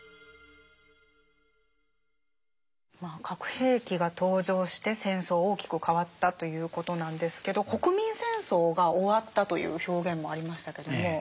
核兵器が登場して戦争は大きく変わったということなんですけど国民戦争が終わったという表現もありましたけども。